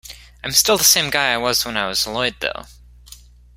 I'm still the same guy I was when I was Lloyd, though.